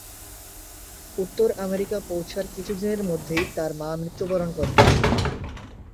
উত্তর আমেরিকা পৌঁছার কিছুদিনের মধ্যে তার মা মৃত্যুবরণ করেন।